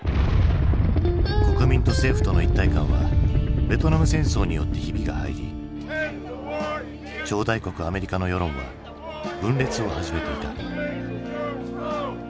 国民と政府との一体感はベトナム戦争によってヒビが入り超大国アメリカの世論は分裂を始めていた。